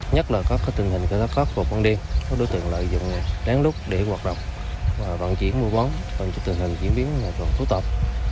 nhất là các tình hình kể sát khắc của quân đi các đối tượng lợi dụng đáng lúc để hoạt động và vận chuyển mua bán tình hình diễn biến thu tập